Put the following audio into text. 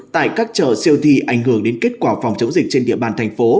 tại các chợ siêu thị ảnh hưởng đến kết quả phòng chống dịch trên địa bàn thành phố